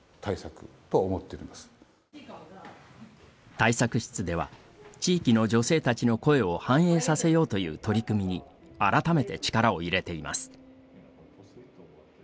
対策室では地域の女性たちの声を反映させようという取り組みに改めて力を入れています。